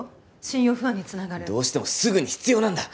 信用不安につながるどうしてもすぐに必要なんだ